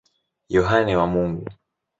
Yohane wa Mungu.